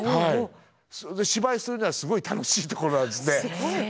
芝居するにはすごい楽しいところなんですね。